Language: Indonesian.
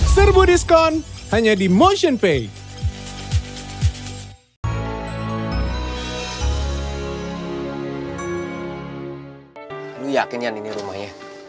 serbu diskon hanya di motionpay